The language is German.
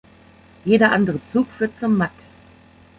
Jeder andere Zug führt zum Matt.